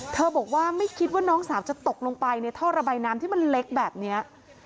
บอกว่าไม่คิดว่าน้องสาวจะตกลงไปในท่อระบายน้ำที่มันเล็กแบบนี้